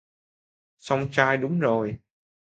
Song trai đúng rồi